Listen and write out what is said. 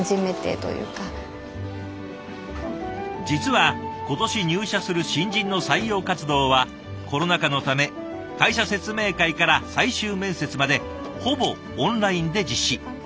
実は今年入社する新人の採用活動はコロナ禍のため会社説明会から最終面接までほぼオンラインで実施。